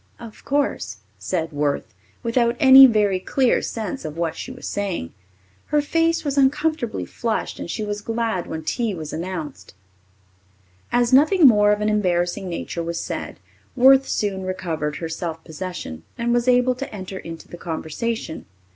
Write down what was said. "Of course," said Worth, without any very clear sense of what she was saying. Her face was uncomfortably flushed and she was glad when tea was announced. As nothing more of an embarrassing nature was said, Worth soon recovered her self possession and was able to enter into the conversation.